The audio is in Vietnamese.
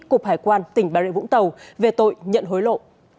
cục hải quan tỉnh bà rịa vũng tàu về tội nhận hối lộ